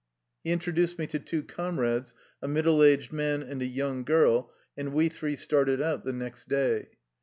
He introduced me to two comrades, a middle aged man and a young girl, and we three started out the next day.